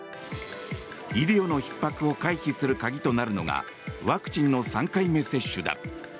医療のひっ迫を回避する鍵となるのがワクチンの３回目接種だ。